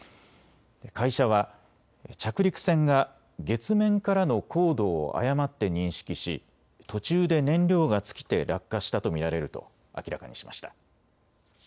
会社は着陸船が月面からの高度を誤って認識し途中で燃料が尽きて落下したと見られると明らかにしました。